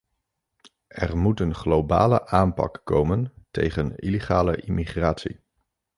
Er moet een globale aanpak komen tegen illegale immigratie.